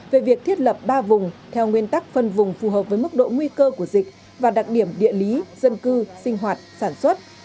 về việc thiết lập ba vùng theo nguyên tắc phân vùng phù hợp với mức độ nguy cơ của dịch và đặc điểm địa lý dân cư sinh hoạt sản xuất